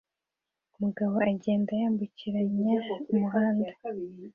umugabo agenda yambukiranya umuhanda